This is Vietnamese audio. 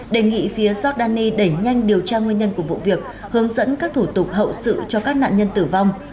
đề nghị phía giordani đẩy nhanh điều tra nguyên nhân của vụ việc hướng dẫn các thủ tục hậu sự cho các nạn nhân tử vong